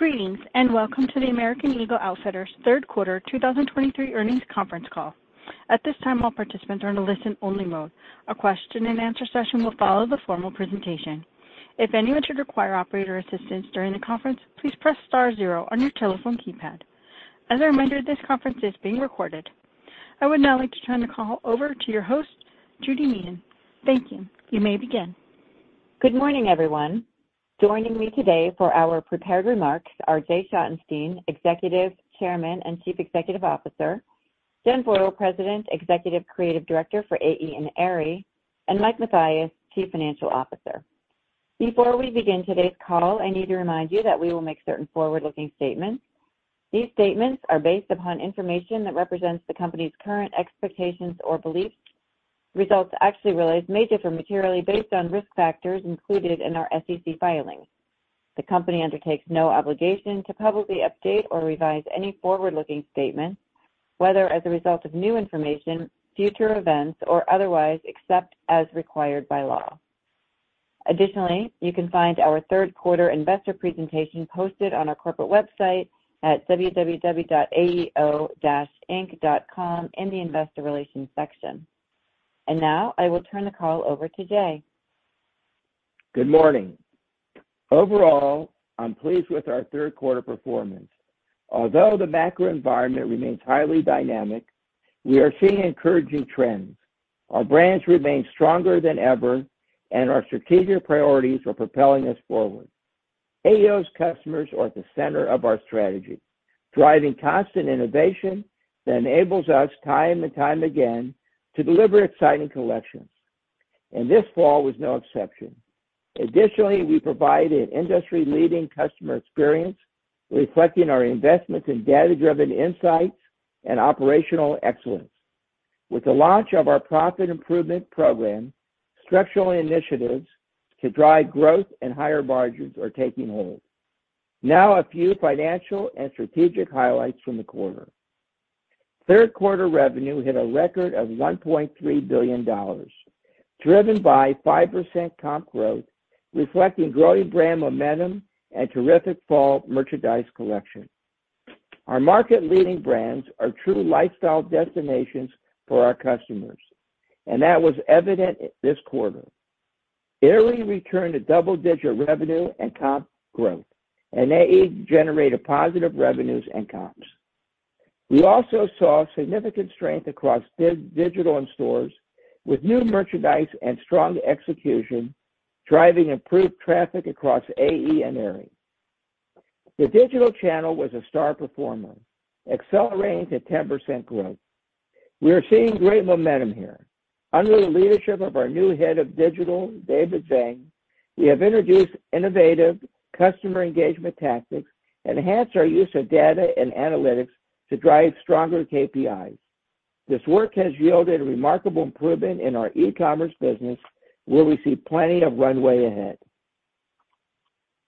Greetings, and welcome to the American Eagle Outfitters third quarter 2023 earnings conference call. At this time, all participants are in a listen-only mode. A question-and-answer session will follow the formal presentation. If anyone should require operator assistance during the conference, please press star zero on your telephone keypad. As a reminder, this conference is being recorded. I would now like to turn the call over to your host, Judy Meehan. Thank you. You may begin. Good morning, everyone. Joining me today for our prepared remarks are Jay Schottenstein, Executive Chairman and Chief Executive Officer, Jen Foyle, President, Executive Creative Director for AE and Aerie, and Mike Mathias, Chief Financial Officer. Before we begin today's call, I need to remind you that we will make certain forward-looking statements. These statements are based upon information that represents the company's current expectations or beliefs. Results actually realized may differ materially based on risk factors included in our SEC filings. The company undertakes no obligation to publicly update or revise any forward-looking statements, whether as a result of new information, future events, or otherwise, except as required by law. Additionally, you can find our third quarter investor presentation posted on our corporate website at www.aeo-inc.com in the investor relations section. Now, I will turn the call over to Jay. Good morning. Overall, I'm pleased with our third quarter performance. Although the macro environment remains highly dynamic, we are seeing encouraging trends. Our brands remain stronger than ever, and our strategic priorities are propelling us forward. AEO's customers are at the center of our strategy, driving constant innovation that enables us time and time again to deliver exciting collections, and this fall was no exception. Additionally, we provide an industry-leading customer experience, reflecting our investments in data-driven insights and operational excellence. With the launch of our profit improvement program, structural initiatives to drive growth and higher margins are taking hold. Now, a few financial and strategic highlights from the quarter. Third quarter revenue hit a record of $1.3 billion, driven by 5% comp growth, reflecting growing brand momentum and terrific fall merchandise collection. Our market-leading brands are true lifestyle destinations for our customers, and that was evident this quarter. Aerie returned to double-digit revenue and comp growth, and AE generated positive revenues and comps. We also saw significant strength across digital and stores, with new merchandise and strong execution, driving improved traffic across AE and Aerie. The digital channel was a star performer, accelerating to 10% growth. We are seeing great momentum here. Under the leadership of our new Head of Digital, David Zhang, we have introduced innovative customer engagement tactics, enhanced our use of data and analytics to drive stronger KPIs. This work has yielded a remarkable improvement in our e-commerce business, where we see plenty of runway ahead.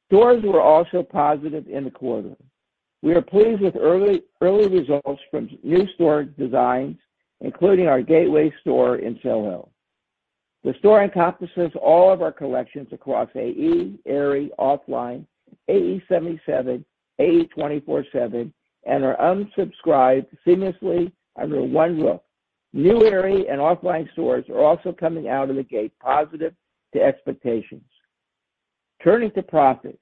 Stores were also positive in the quarter. We are pleased with early results from new store designs, including our gateway store in SoHo. The store encompasses all of our collections across AE, Aerie, OFFLINE, AE 77, AE 24/7, and our Unsubscribed seamlessly under one roof. New Aerie and OFFLINE stores are also coming out of the gate positive to expectations. Turning to profit,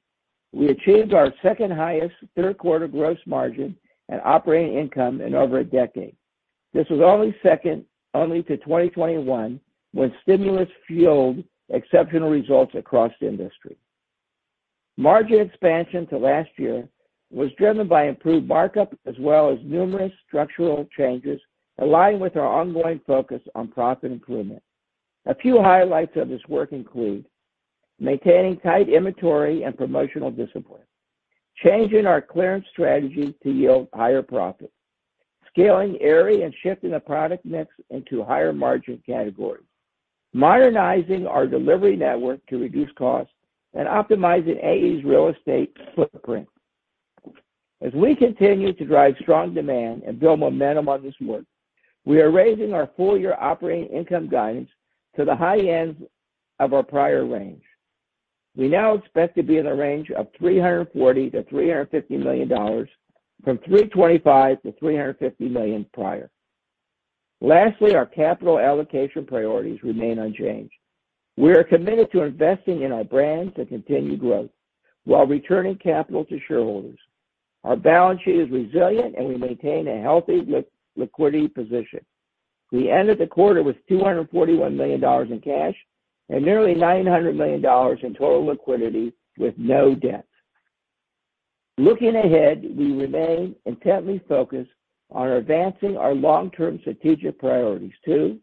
we achieved our second highest third quarter gross margin and operating income in over a decade. This was only second only to 2021, when stimulus fueled exceptional results across the industry. Margin expansion to last year was driven by improved markup as well as numerous structural changes aligned with our ongoing focus on profit improvement. A few highlights of this work include: maintaining tight inventory and promotional discipline, changing our clearance strategy to yield higher profits, scaling Aerie and shifting the product mix into higher margin categories, modernizing our delivery network to reduce costs, and optimizing AE's real estate footprint. As we continue to drive strong demand and build momentum on this work, we are raising our full-year operating income guidance to the high end of our prior range. We now expect to be in the range of $340 million-$350 million, from $325 million-$350 million prior. Lastly, our capital allocation priorities remain unchanged. We are committed to investing in our brands to continue growth while returning capital to shareholders. Our balance sheet is resilient, and we maintain a healthy liquidity position. We ended the quarter with $241 million in cash and nearly $900 million in total liquidity, with no debt. Looking ahead, we remain intently focused on advancing our long-term strategic priorities to,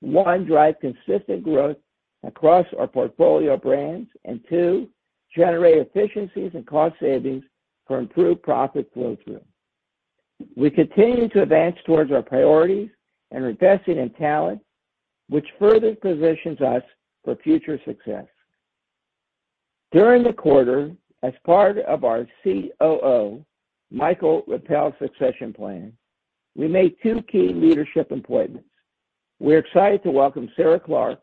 one, drive consistent growth across our portfolio of brands, and two, generate efficiencies and cost savings for improved profit flow-through. We continue to advance towards our priorities and investing in talent, which further positions us for future success. During the quarter, as part of our COO, Michael Rempell's succession plan, we made two key leadership appointments. We're excited to welcome Sarah Clarke,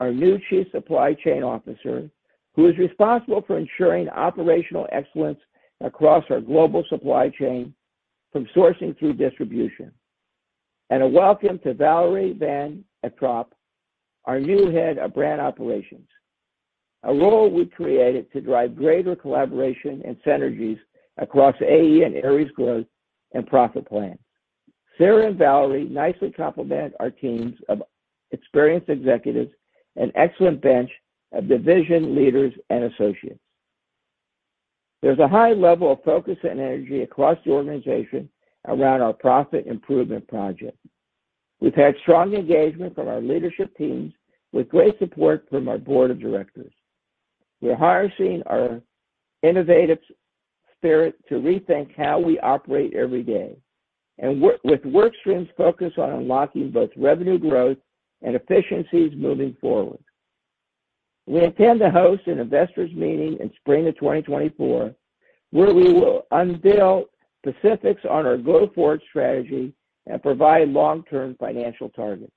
our new Chief Supply Chain Officer, who is responsible for ensuring operational excellence across our global supply chain, from sourcing through distribution. A welcome to Valerie van Ogtrop, our new Head of Brand Operations, a role we created to drive greater collaboration and synergies across AE and Aerie's growth and profit plan. Sarah and Valerie nicely complement our teams of experienced executives and excellent bench of division leaders and associates. There's a high level of focus and energy across the organization around our profit improvement project. We've had strong engagement from our leadership teams, with great support from our board of directors. We're harnessing our innovative spirit to rethink how we operate every day, and work streams focused on unlocking both revenue growth and efficiencies moving forward. We intend to host an investors meeting in spring of 2024, where we will unveil specifics on our go-forward strategy and provide long-term financial targets.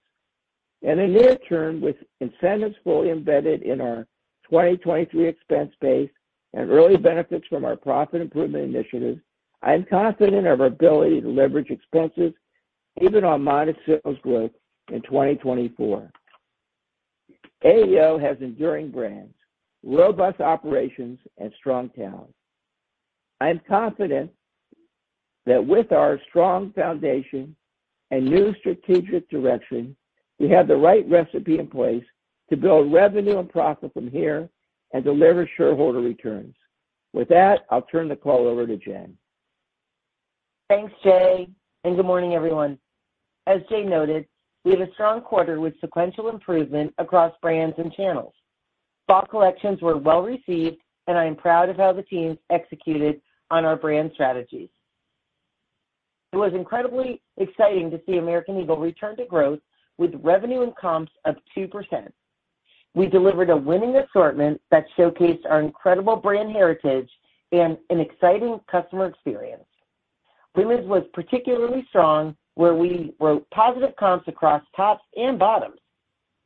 And in near term, with incentives fully embedded in our 2023 expense base and early benefits from our profit improvement initiatives, I'm confident of our ability to leverage expenses even on modest sales growth in 2024. AEO has enduring brands, robust operations, and strong talent. I am confident that with our strong foundation and new strategic direction, we have the right recipe in place to build revenue and profit from here and deliver shareholder returns. With that, I'll turn the call over to Jen. Thanks, Jay, and good morning, everyone. As Jay noted, we had a strong quarter with sequential improvement across brands and channels. Fall collections were well received, and I am proud of how the teams executed on our brand strategies. It was incredibly exciting to see American Eagle return to growth with revenue and comps of 2%. We delivered a winning assortment that showcased our incredible brand heritage and an exciting customer experience. Women's was particularly strong, where we wrote positive comps across tops and bottoms.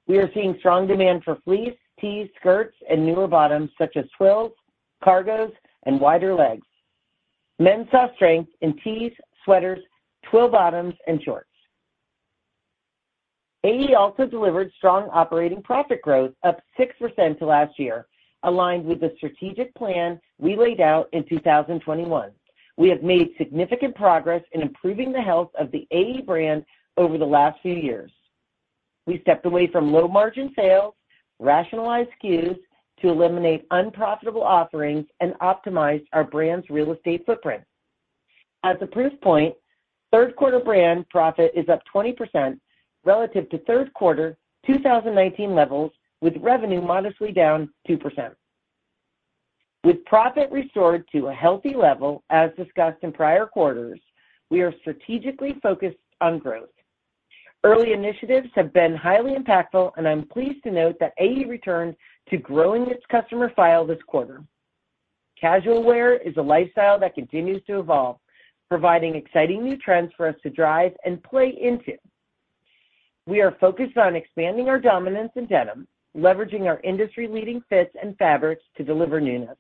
We are seeing strong demand for fleece, tees, skirts, and newer bottoms, such as twills, cargos, and wider legs. Men saw strength in tees, sweaters, twill bottoms, and shorts. AE also delivered strong operating profit growth, up 6% to last year, aligned with the strategic plan we laid out in 2021. We have made significant progress in improving the health of the AE brand over the last few years. We stepped away from low-margin sales, rationalized SKUs to eliminate unprofitable offerings, and optimized our brand's real estate footprint. As a proof point, third quarter brand profit is up 20% relative to third quarter 2019 levels, with revenue modestly down 2%. With profit restored to a healthy level, as discussed in prior quarters, we are strategically focused on growth. Early initiatives have been highly impactful, and I'm pleased to note that AE returned to growing its customer file this quarter. Casual wear is a lifestyle that continues to evolve, providing exciting new trends for us to drive and play into. We are focused on expanding our dominance in denim, leveraging our industry-leading fits and fabrics to deliver newness.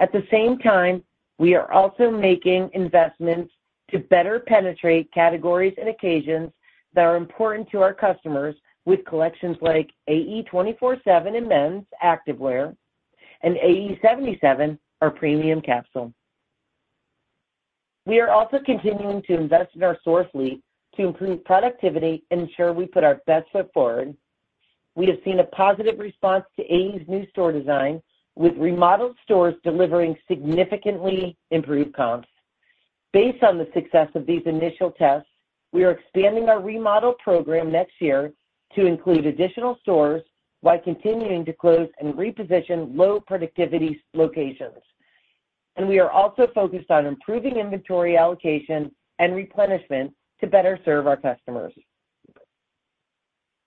At the same time, we are also making investments to better penetrate categories and occasions that are important to our customers, with collections like AE 24/7 in men's activewear and AE 77, our premium capsule. We are also continuing to invest in our source fleet to improve productivity and ensure we put our best foot forward. We have seen a positive response to AE's new store design, with remodeled stores delivering significantly improved comps. Based on the success of these initial tests, we are expanding our remodel program next year to include additional stores, while continuing to close and reposition low-productivity locations. We are also focused on improving inventory allocation and replenishment to better serve our customers.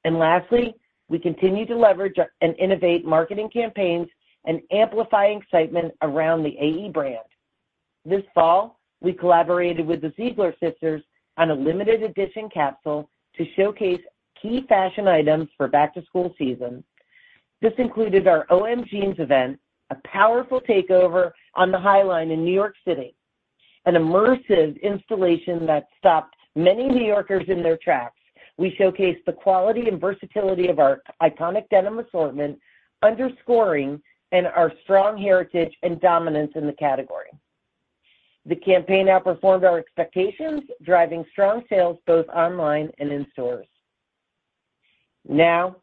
Lastly, we continue to leverage and innovate marketing campaigns and amplify excitement around the AE brand. This fall, we collaborated with the Ziegler Sisters on a limited edition capsule to showcase key fashion items for back-to-school season. This included our OMG Jeans event, a powerful takeover on the High Line in New York City, an immersive installation that stopped many New Yorkers in their tracks. We showcased the quality and versatility of our iconic denim assortment, underscoring our strong heritage and dominance in the category. The campaign outperformed our expectations, driving strong sales both online and in stores. Now,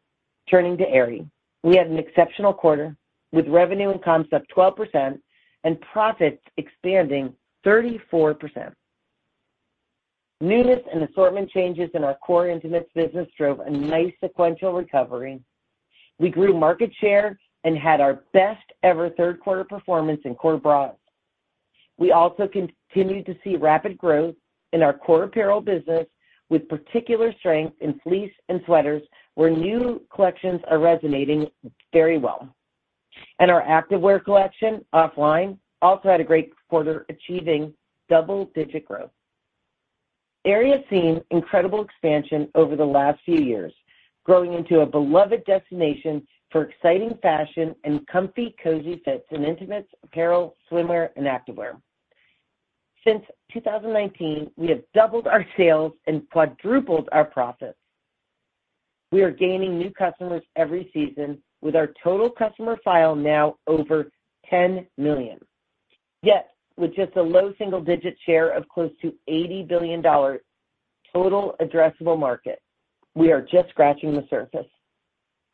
turning to Aerie. We had an exceptional quarter, with revenue and comps up 12% and profits expanding 34%. Newness and assortment changes in our core intimates business drove a nice sequential recovery. We grew market share and had our best-ever third quarter performance in core bras. We also continued to see rapid growth in our core apparel business, with particular strength in fleece and sweaters, where new collections are resonating very well.... Our activewear collection, OFFLINE, also had a great quarter, achieving double-digit growth. Aerie has seen incredible expansion over the last few years, growing into a beloved destination for exciting fashion and comfy, cozy fits in intimates, apparel, swimwear, and activewear. Since 2019, we have doubled our sales and quadrupled our profits. We are gaining new customers every season, with our total customer file now over 10 million. Yet, with just a low single-digit share of close to $80 billion total addressable market, we are just scratching the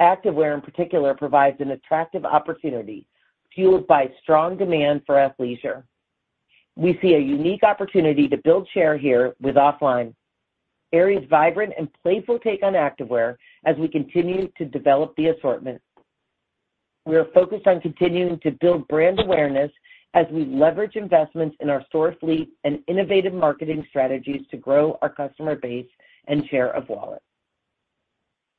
surface. Activewear, in particular, provides an attractive opportunity, fueled by strong demand for athleisure. We see a unique opportunity to build share here with OFFLINE. Aerie's vibrant and playful take on activewear as we continue to develop the assortment. We are focused on continuing to build brand awareness as we leverage investments in our store fleet and innovative marketing strategies to grow our customer base and share of wallet.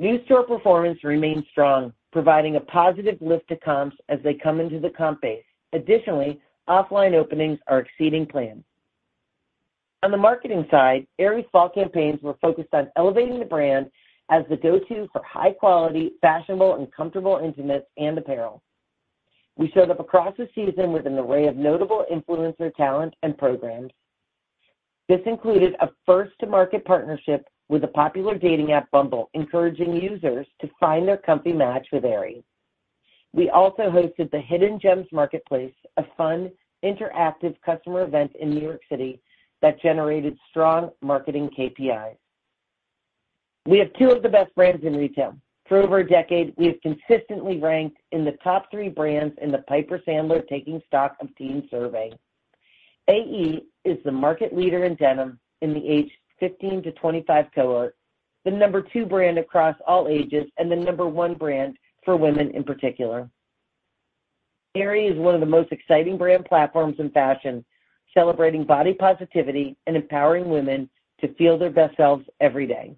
New store performance remains strong, providing a positive lift to comps as they come into the comp base. Additionally, OFFLINE openings are exceeding plans. On the marketing side, Aerie's fall campaigns were focused on elevating the brand as the go-to for high quality, fashionable, and comfortable intimates and apparel. We showed up across the season with an array of notable influencer talent and programs. This included a first-to-market partnership with the popular dating app, Bumble, encouraging users to find their comfy match with Aerie. We also hosted the Hidden Gems Marketplace, a fun, interactive customer event in New York City that generated strong marketing KPIs. We have two of the best brands in retail. For over a decade, we have consistently ranked in the top three brands in the Piper Sandler Taking Stock of Teens survey. AE is the market leader in denim in the age 15-25 cohort, the Number 2 brand across all ages, and the Number 1 brand for women in particular. Aerie is one of the most exciting brand platforms in fashion, celebrating body positivity and empowering women to feel their best selves every day.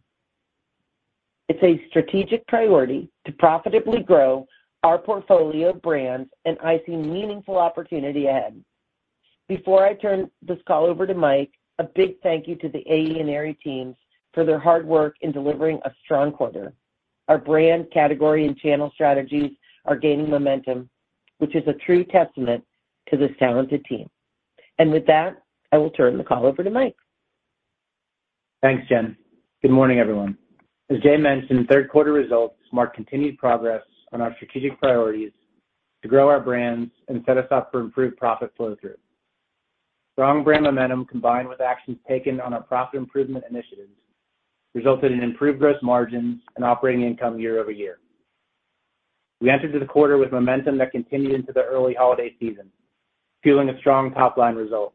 It's a strategic priority to profitably grow our portfolio of brands, and I see meaningful opportunity ahead. Before I turn this call over to Mike, a big thank you to the AE and Aerie teams for their hard work in delivering a strong quarter. Our brand, category, and channel strategies are gaining momentum, which is a true testament to this talented team. With that, I will turn the call over to Mike. Thanks, Jen. Good morning, everyone. As Jay mentioned, third quarter results mark continued progress on our strategic priorities to grow our brands and set us up for improved profit flow-through. Strong brand momentum, combined with actions taken on our profit improvement initiatives, resulted in improved gross margins and operating income year-over-year. We entered the quarter with momentum that continued into the early holiday season, fueling a strong top-line result.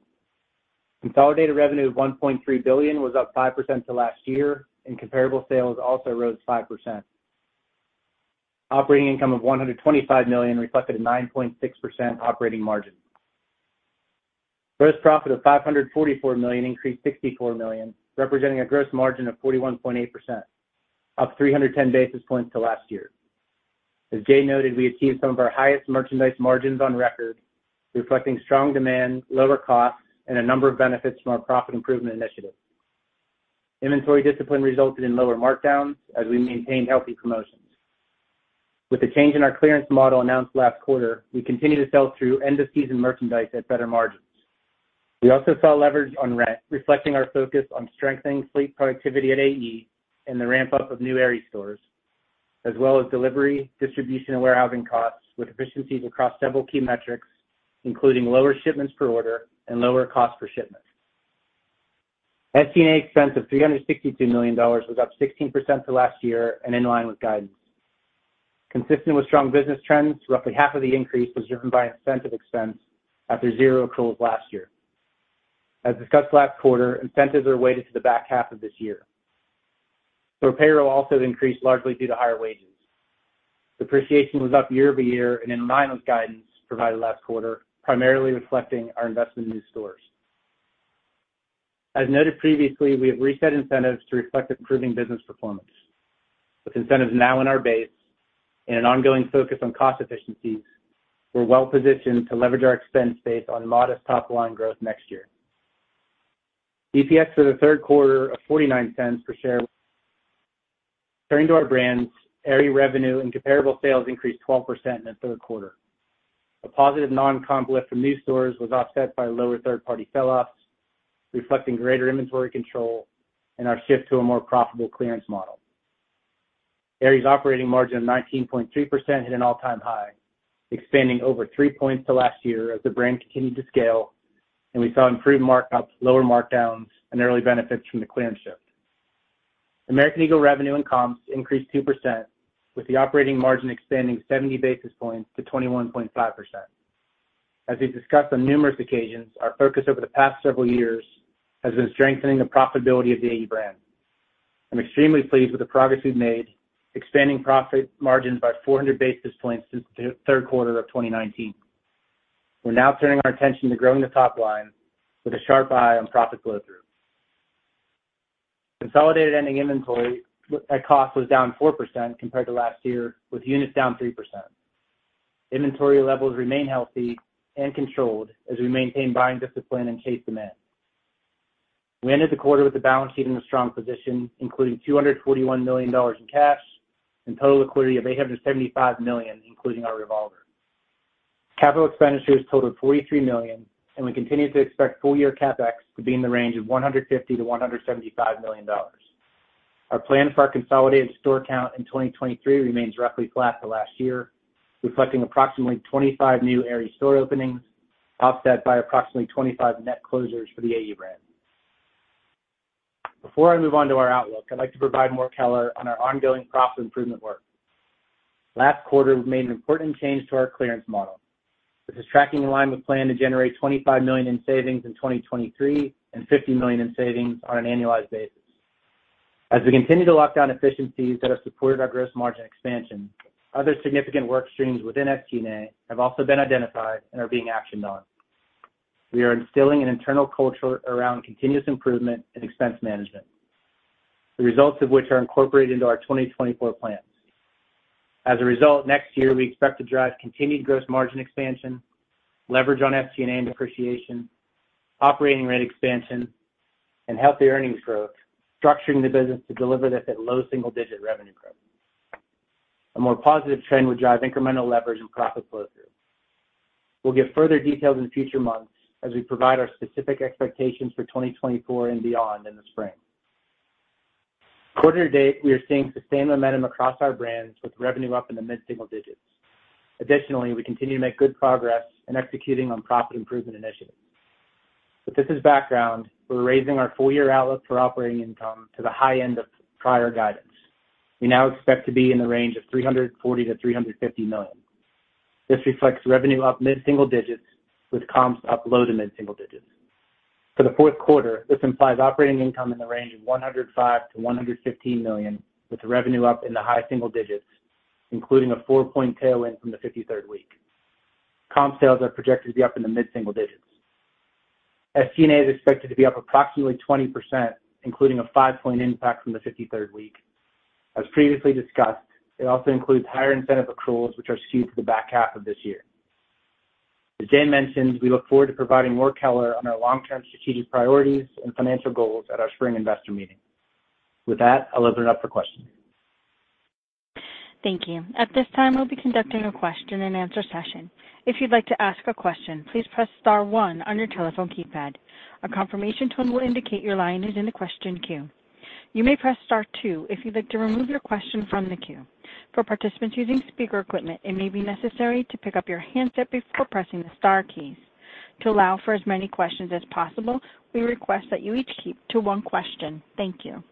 Consolidated revenue of $1.3 billion was up 5% to last year, and comparable sales also rose 5%. Operating income of $125 million reflected a 9.6% operating margin. Gross profit of $544 million increased $64 million, representing a gross margin of 41.8%, up 310 basis points to last year. As Jay noted, we achieved some of our highest merchandise margins on record, reflecting strong demand, lower costs, and a number of benefits from our profit improvement initiative. Inventory discipline resulted in lower markdowns as we maintained healthy promotions. With the change in our clearance model announced last quarter, we continue to sell through end-of-season merchandise at better margins. We also saw leverage on rent, reflecting our focus on strengthening fleet productivity at AE and the ramp-up of new Aerie stores, as well as delivery, distribution, and warehousing costs, with efficiencies across several key metrics, including lower shipments per order and lower cost per shipment. SG&A expense of $362 million was up 16% to last year and in line with guidance. Consistent with strong business trends, roughly half of the increase was driven by incentive expense after zero accruals last year. As discussed last quarter, incentives are weighted to the back half of this year. So payroll also increased largely due to higher wages. Depreciation was up year-over-year and in line with guidance provided last quarter, primarily reflecting our investment in new stores. As noted previously, we have reset incentives to reflect improving business performance. With incentives now in our base and an ongoing focus on cost efficiencies, we're well positioned to leverage our expense base on modest top-line growth next year. EPS for the third quarter of $0.49 per share. Turning to our brands, Aerie revenue and comparable sales increased 12% in the third quarter. A positive non-comp lift from new stores was offset by lower third-party sell-offs, reflecting greater inventory control and our shift to a more profitable clearance model. Aerie's operating margin of 19.3% hit an all-time high, expanding over three points to last year as the brand continued to scale, and we saw improved markups, lower markdowns, and early benefits from the clearance shift. American Eagle revenue and comps increased 2%, with the operating margin expanding 70 basis points to 21.5%. As we've discussed on numerous occasions, our focus over the past several years has been strengthening the profitability of the AE brand. I'm extremely pleased with the progress we've made, expanding profit margins by 400 basis points since the third quarter of 2019. We're now turning our attention to growing the top line with a sharp eye on profit flow-through. Consolidated ending inventory at cost was down 4% compared to last year, with units down 3%. Inventory levels remain healthy and controlled as we maintain buying discipline and case demand. We ended the quarter with the balance sheet in a strong position, including $241 million in cash and total liquidity of $875 million, including our revolver. Capital expenditures totaled $43 million, and we continue to expect full year CapEx to be in the range of $150 million-$175 million. Our plan for our consolidated store count in 2023 remains roughly flat to last year, reflecting approximately 25 new Aerie store openings, offset by approximately 25 net closures for the AE brand. Before I move on to our outlook, I'd like to provide more color on our ongoing profit improvement work. Last quarter, we made an important change to our clearance model, which is tracking in line with plan to generate $25 million in savings in 2023 and $50 million in savings on an annualized basis. As we continue to lock down efficiencies that have supported our gross margin expansion, other significant work streams within SG&A have also been identified and are being actioned on. We are instilling an internal culture around continuous improvement and expense management, the results of which are incorporated into our 2024 plans. As a result, next year, we expect to drive continued gross margin expansion, leverage on SG&A and depreciation, operating rate expansion, and healthy earnings growth, structuring the business to deliver this at low single-digit revenue growth. A more positive trend would drive incremental leverage and profit flow through. We'll give further details in future months as we provide our specific expectations for 2024 and beyond in the spring. Quarter to date, we are seeing sustained momentum across our brands, with revenue up in the mid-single digits. Additionally, we continue to make good progress in executing on profit improvement initiatives. With this as background, we're raising our full year outlook for operating income to the high end of prior guidance. We now expect to be in the range of $340 million-$350 million. This reflects revenue up mid-single digits, with comps up low to mid-single digits. For the fourth quarter, this implies operating income in the range of $105 million-$115 million, with revenue up in the high single digits, including a four-point tailwind from the 53rd week. Comp sales are projected to be up in the mid-single digits. SG&A is expected to be up approximately 20%, including a five-point impact from the 53rd week. As previously discussed, it also includes higher incentive accruals, which are skewed to the back half of this year. As Jen mentioned, we look forward to providing more color on our long-term strategic priorities and financial goals at our spring investor meeting. With that, I'll open it up for questions. Thank you. At this time, we'll be conducting a question-and-answer session. If you'd like to ask a question, please press star one on your telephone keypad. A confirmation tone will indicate your line is in the question queue. You may press Star two if you'd like to remove your question from the queue. For participants using speaker equipment, it may be necessary to pick up your handset before pressing the star keys. To allow for as many questions as possible, we request that you each keep to one question. Thank you.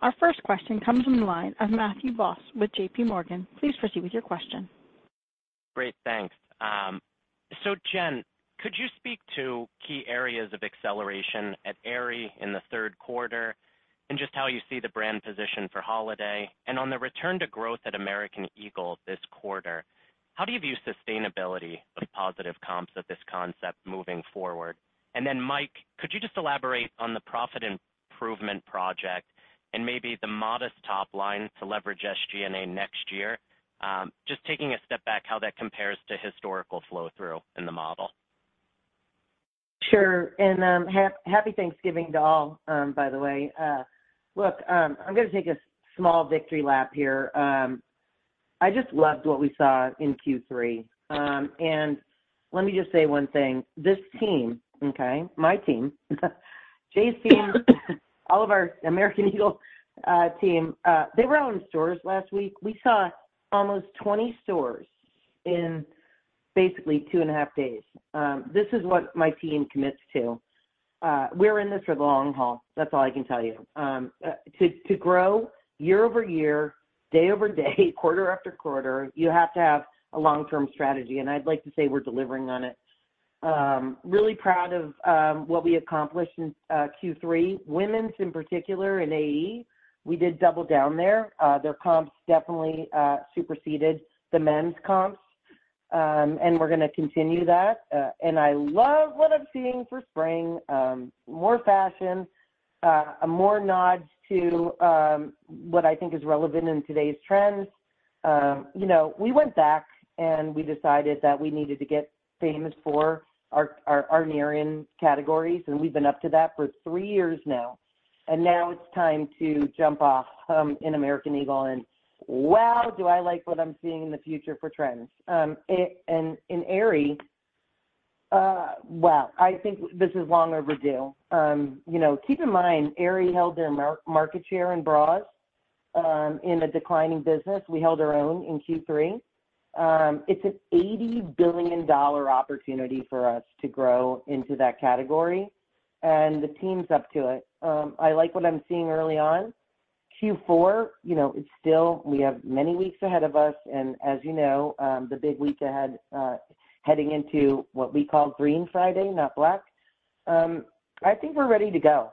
Our first question comes from the line of Matthew Boss with JP Morgan. Please proceed with your question. Great, thanks. So Jen, could you speak to key areas of acceleration at Aerie in the third quarter and just how you see the brand position for holiday? And on the return to growth at American Eagle this quarter, how do you view sustainability of positive comps of this concept moving forward? And then, Mike, could you just elaborate on the profit improvement project and maybe the modest top line to leverage SG&A next year? Just taking a step back, how that compares to historical flow through in the model? Sure. Happy Thanksgiving to all, by the way. Look, I'm gonna take a small victory lap here. I just loved what we saw in Q3. Let me just say one thing. This team, okay, my team, Jay's team, all of our American Eagle team, they were all in stores last week. We saw almost 20 stores in basically two and a half days. This is what my team commits to. We're in this for the long haul. That's all I can tell you. To grow year-over-year, day-over-day, quarter after quarter, you have to have a long-term strategy, and I'd like to say we're delivering on it. Really proud of what we accomplished in Q3. Women's, in particular, in AE, we did double down there. Their comps definitely superseded the men's comps, and we're gonna continue that. I love what I'm seeing for spring. More fashion, more nods to what I think is relevant in today's trends. You know, we went back, and we decided that we needed to get famous for our Aerie categories, and we've been up to that for three years now, and now it's time to jump off in American Eagle, and wow, do I like what I'm seeing in the future for trends. In Aerie, well, I think this is long overdue. You know, keep in mind, Aerie held their market share in bras in a declining business. We held our own in Q3. It's an $80 billion opportunity for us to grow into that category, and the team's up to it. I like what I'm seeing early on. Q4, you know, is still... We have many weeks ahead of us, and as you know, the big week ahead, heading into what we call Green Friday, not Black. I think we're ready to go.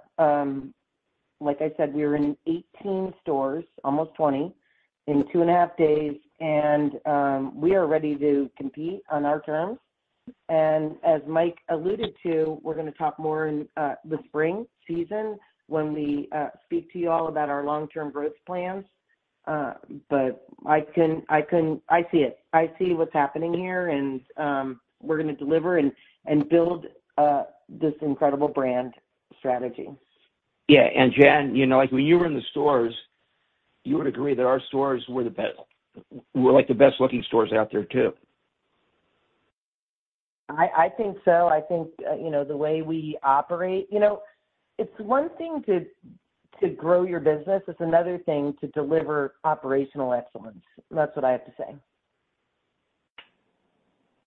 Like I said, we were in 18 stores, almost 20, in two and a half days, and, we are ready to compete on our terms.... And as Mike alluded to, we're gonna talk more in the spring season when we speak to you all about our long-term growth plans. But I can. I see it. I see what's happening here, and we're gonna deliver and build this incredible brand strategy. Yeah, and Jen, you know, like, when you were in the stores, you would agree that our stores were the best, were like the best looking stores out there, too. I think so. I think, you know, the way we operate... You know, it's one thing to grow your business, it's another thing to deliver operational excellence. That's what I have to say.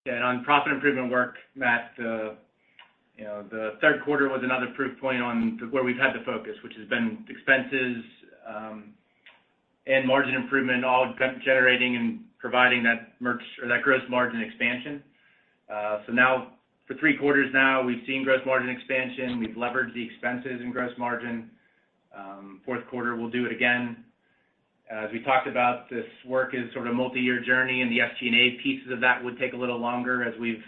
Yeah, and on profit improvement work, Matt, you know, the third quarter was another proof point on where we've had the focus, which has been expenses, and margin improvement, all generating and providing that merch or that gross margin expansion. So now, for three quarters now, we've seen gross margin expansion. We've leveraged the expenses in gross margin. Fourth quarter, we'll do it again. As we talked about, this work is sort of a multi-year journey, and the SG&A pieces of that would take a little longer as we've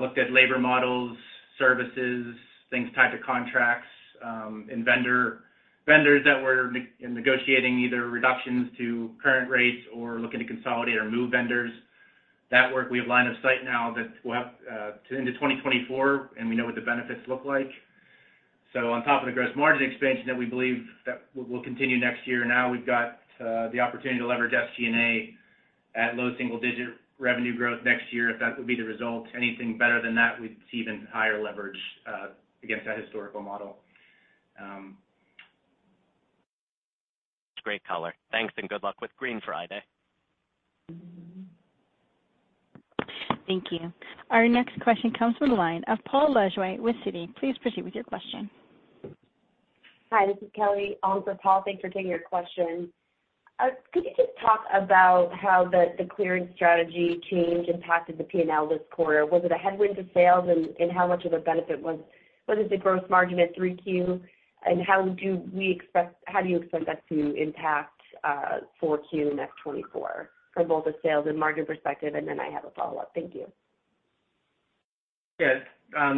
looked at labor models, services, things tied to contracts, and vendors that we're negotiating either reductions to current rates or looking to consolidate or move vendors. That work, we have line of sight now that will have to into 2024, and we know what the benefits look like. So on top of the gross margin expansion that we believe will continue next year, now we've got the opportunity to leverage SG&A at low single-digit revenue growth next year, if that would be the result. Anything better than that, we'd see even higher leverage against that historical model. Great color. Thanks, and good luck with Green Friday. Thank you. Our next question comes from the line of Paul Lejuez with Citi. Please proceed with your question. Hi, this is Kelly. Also, Paul, thanks for taking your question. Could you just talk about how the clearance strategy change impacted the P&L this quarter? Was it a headwind to sales, and how much of a benefit was what is the gross margin at 3Q? And how do you expect that to impact 4Q next 2024, from both a sales and margin perspective? And then I have a follow-up. Thank you. Yes, I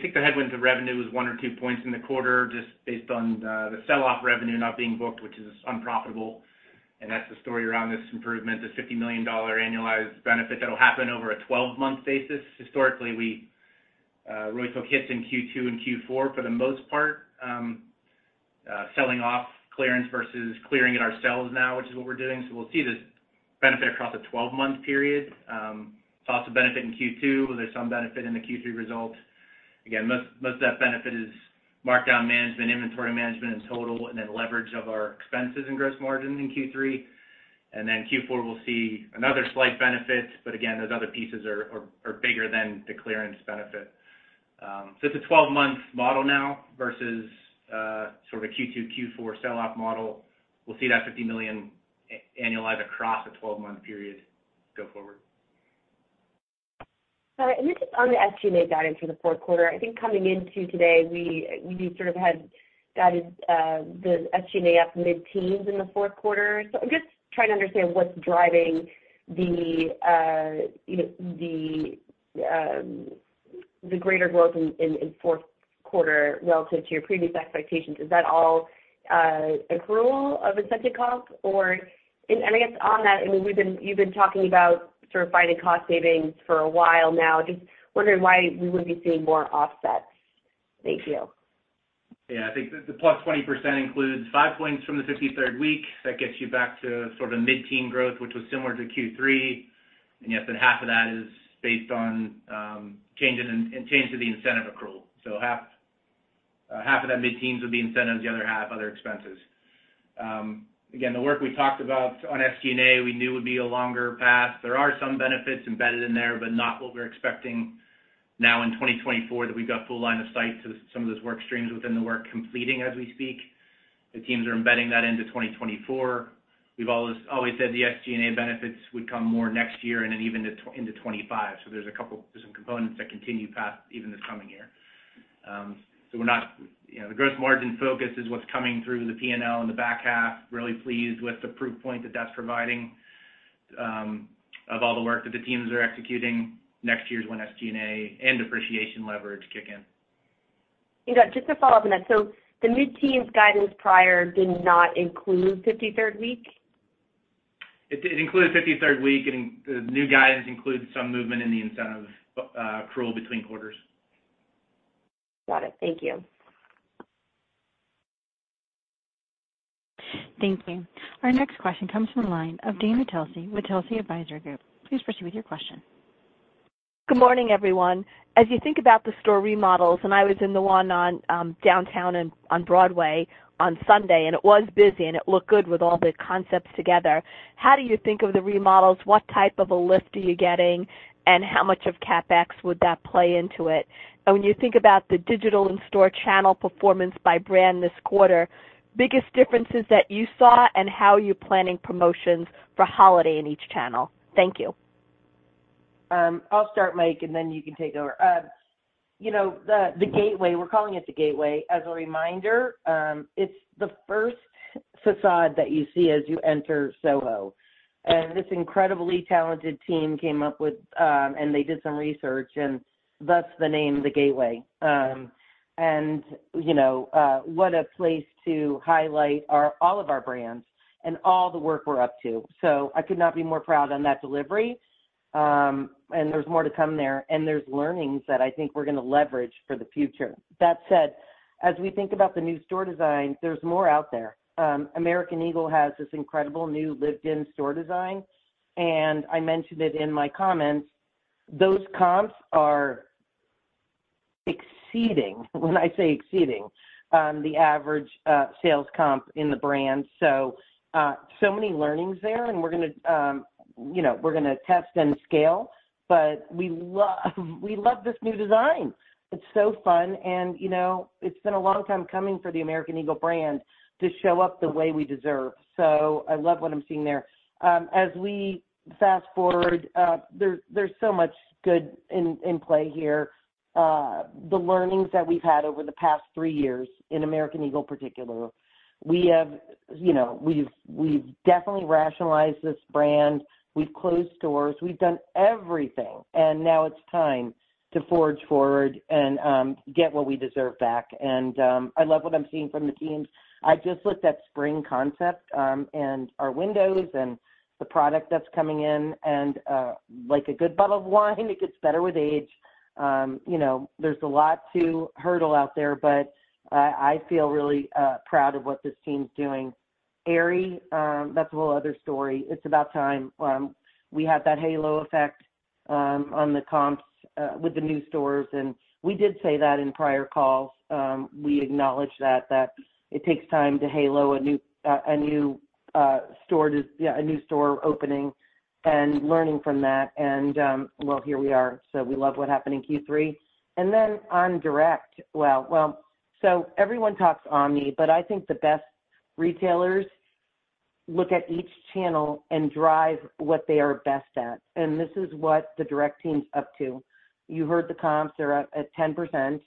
think the headwind to revenue was one or two points in the quarter, just based on the sell-off revenue not being booked, which is unprofitable, and that's the story around this improvement, the $50 million annualized benefit that'll happen over a 12-month basis. Historically, we really took hits in Q2 and Q4, for the most part, selling off clearance versus clearing at our sales now, which is what we're doing. So we'll see this benefit across a 12-month period. Saw some benefit in Q2, there's some benefit in the Q3 results. Again, most of that benefit is markdown management, inventory management in total, and then leverage of our expenses and gross margin in Q3. And then Q4, we'll see another slight benefit, but again, those other pieces are bigger than the clearance benefit. It's a twelve-month model now versus sort of a Q2, Q4 sell-off model. We'll see that $50 million annualized across a twelve-month period go forward. Just on the SG&A guidance for the fourth quarter, I think coming into today, we sort of had guided the SG&A up mid-teens in the fourth quarter. So I'm just trying to understand what's driving you know the greater growth in fourth quarter relative to your previous expectations. Is that all accrual of incentive comp, or... And I guess on that, I mean, you've been talking about sort of finding cost savings for a while now. Just wondering why we would be seeing more offsets. Thank you. Yeah, I think the +20% includes five points from the 53rd week. That gets you back to sort of mid-teen growth, which was similar to Q3. And yes, but half of that is based on changes in changes to the incentive accrual. So half of that mid-teens would be incentive, the other half other expenses. Again, the work we talked about on SG&A, we knew would be a longer path. There are some benefits embedded in there, but not what we're expecting now in 2024, that we've got full line of sight to some of those work streams within the work completing as we speak. The teams are embedding that into 2024. We've always said the SG&A benefits would come more next year and then even into 2025. There's some components that continue past even this coming year. We're not... You know, the gross margin focus is what's coming through the P&L in the back half. Really pleased with the proof point that that's providing, of all the work that the teams are executing. Next year is when SG&A and depreciation leverage kick in. Just to follow up on that, so the mid-teens guidance prior did not include 53rd week? It did include 53rd week, and the new guidance includes some movement in the incentive accrual between quarters. Got it. Thank you. Thank you. Our next question comes from the line of Dana Telsey with Telsey Advisory Group. Please proceed with your question. Good morning, everyone. As you think about the store remodels, and I was in the one on, downtown on, on Broadway on Sunday, and it was busy, and it looked good with all the concepts together. How do you think of the remodels? What type of a lift are you getting? And how much of CapEx would that play into it? And when you think about the digital and store channel performance by brand this quarter, biggest differences that you saw and how you're planning promotions for holiday in each channel. Thank you. I'll start, Mike, and then you can take over.... You know, The Gateway, we're calling it The Gateway. As a reminder, it's the first facade that you see as you enter SoHo. And this incredibly talented team came up with, and they did some research, and thus the name, The Gateway. And, you know, what a place to highlight our all of our brands and all the work we're up to. So I could not be more proud on that delivery. And there's more to come there, and there's learnings that I think we're gonna leverage for the future. That said, as we think about the new store design, there's more out there. American Eagle has this incredible new lived-in store design, and I mentioned it in my comments. Those comps are exceeding, when I say exceeding, the average sales comp in the brand. So, so many learnings there, and we're gonna, you know, we're gonna test and scale, but we love this new design! It's so fun, and, you know, it's been a long time coming for the American Eagle brand to show up the way we deserve. So I love what I'm seeing there. As we fast forward, there's so much good in play here. The learnings that we've had over the past three years in American Eagle, particular, we have, you know, we've definitely rationalized this brand. We've closed stores, we've done everything, and now it's time to forge forward and get what we deserve back. And I love what I'm seeing from the teams. I just looked at spring concept, and our windows and the product that's coming in, and, like a good bottle of wine, it gets better with age. You know, there's a lot to hurdle out there, but I feel really proud of what this team's doing. Aerie, that's a whole other story. It's about time we have that halo effect on the comps with the new stores, and we did say that in prior calls. We acknowledge that it takes time to halo a new store opening and learning from that. And, well, here we are. So we love what happened in Q3. And then on direct... Well, well, so everyone talks omni, but I think the best retailers look at each channel and drive what they are best at, and this is what the direct team's up to. You heard the comps, they're up at 10%.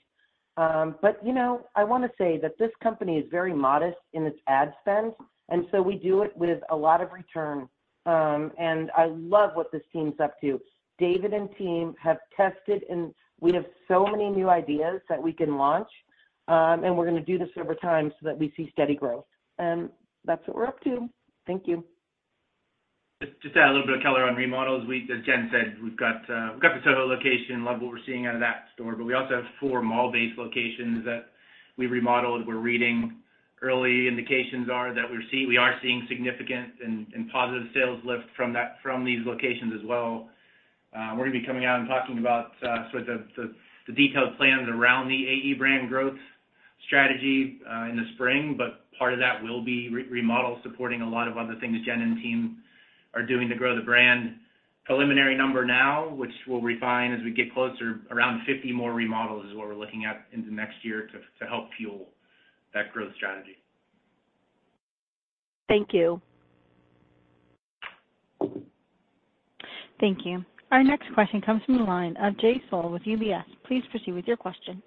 But, you know, I wanna say that this company is very modest in its ad spend, and so we do it with a lot of return. And I love what this team's up to. David and team have tested, and we have so many new ideas that we can launch, and we're gonna do this over time so that we see steady growth. And that's what we're up to. Thank you. Just, just to add a little bit of color on remodels. We, as Jen said, we've got, we've got the SoHo location, love what we're seeing out of that store, but we also have four mall-based locations that we remodeled. We're reading early indications that we are seeing significant and positive sales lift from these locations as well. We're gonna be coming out and talking about sort of the detailed plans around the AE brand growth strategy in the spring, but part of that will be remodel, supporting a lot of other things Jen and team are doing to grow the brand. Preliminary number now, which we'll refine as we get closer, around 50 more remodels is what we're looking at in the next year to help fuel that growth strategy. Thank you. Thank you. Our next question comes from the line of Jay Sole with UBS. Please proceed with your question.